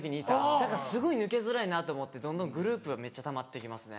だからすごい抜けづらいなと思ってどんどんグループはめっちゃたまって行きますね。